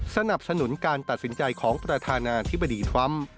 สนับสนุนการตัดสินใจของประธานาธิบดีทรัมป์